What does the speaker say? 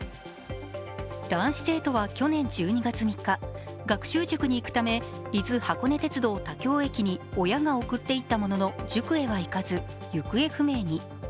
男子生徒は去年１２月３日、学習塾に行くため伊豆箱根鉄道・田京駅に親が送っていったものの塾へは行かず、行方不明に。